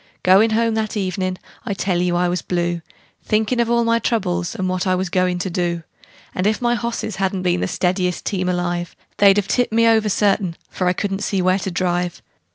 Goin' home that evenin' I tell you I was blue, Thinkin' of all my troubles, and what I was goin' to do; And if my hosses hadn't been the steadiest team alive, They'd 've tipped me over, certain, for I couldn't see where to drive.